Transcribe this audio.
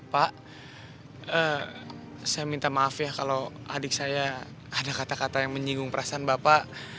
pak saya minta maaf ya kalau adik saya ada kata kata yang menyinggung perasaan bapak